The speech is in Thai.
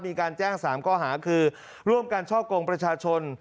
มีการแจ้ง๓ข้อหาคือร่วมกันช่อกงประชาชน